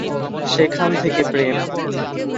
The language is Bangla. সেখান থেকে প্রেম।